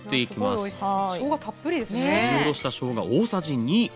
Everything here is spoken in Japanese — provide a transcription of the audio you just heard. すりおろしたしょうが大さじ２。